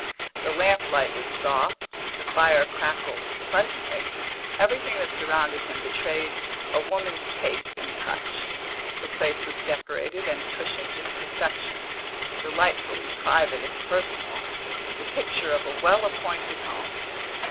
The lamp light was soft, the fire crackled pleasantly, everything that surrounded him betrayed a woman's taste and touch; the place was decorated and cushioned in perfection, delightfully private and personal, the picture of a well appointed home.